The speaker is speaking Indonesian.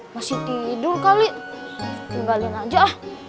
masih tidur kali tinggalin aja